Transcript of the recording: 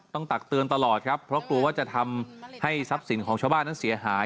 ตักเตือนตลอดครับเพราะกลัวว่าจะทำให้ทรัพย์สินของชาวบ้านนั้นเสียหาย